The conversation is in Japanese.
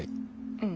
うん。